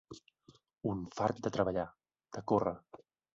Un fart de treballar, de córrer.